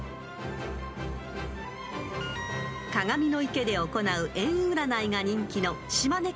［鏡の池で行う縁占いが人気の］